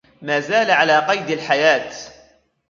ما زال على قيد الحياة.